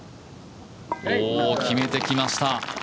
決めてきました。